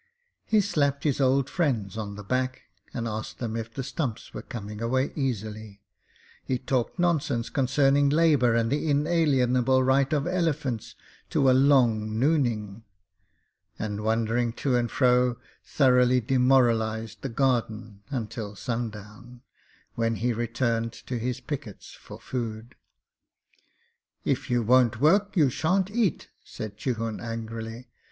He slapped old friends on the back and asked them if the stumps were coming away easily; he talked nonsense concerning labour and the inalienable rights of elephants to a long 'nooning'; and wandering to and fro, thoroughly demoralised the garden until sundown, when he returned to his pickets for food. 'If you won't work you shan't eat,' said Chihun angrily.